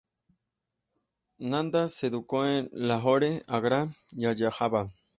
Nanda se educó en Lahore, Agra y Allahabad.